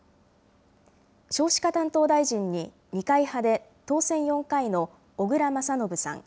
少子化担当大臣に二階派で当選４回の小倉將信さん。